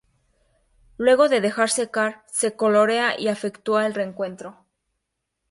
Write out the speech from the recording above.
Luego de dejar secar, se colorea y efectúa el recuento.